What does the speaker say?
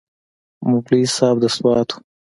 مولوي صاحب د سوات و.